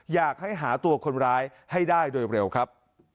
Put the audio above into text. อยากให้หาตัวคนร้ายให้ได้โดยเร็วครับ